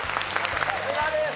さすがです！